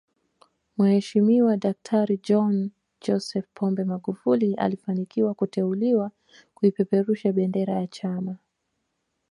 Mheshimiwa daktari John Joseph Pombe Magufuli alifanikiwa kuteuliwa kuipeperusha bendera ya chama